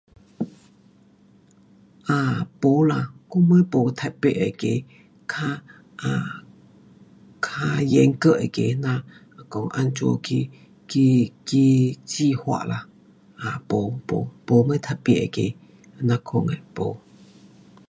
啊，没啦，我们没特别那个，较 um 较严格那个那，那个怎样去，去计划啦，um 没，没，没什特别那个这样款的没。